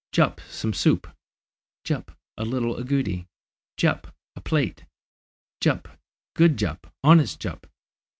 "Jup, some soup!" "Jup, a little agouti!" "Jup, a plate!" "Jup! Good Jup! Honest Jup!"